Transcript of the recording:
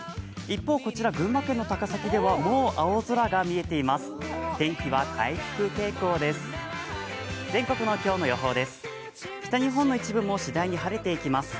一方、こちら群馬県の高崎ではもう青空が見えています。